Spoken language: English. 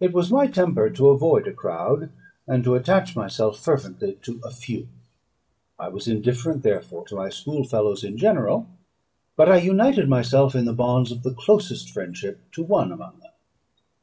It was my temper to avoid a crowd, and to attach myself fervently to a few. I was indifferent, therefore, to my schoolfellows in general; but I united myself in the bonds of the closest friendship to one among them.